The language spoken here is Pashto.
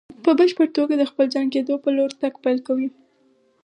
په بشپړ توګه د خپل ځان کېدو په لور تګ پيل کوي.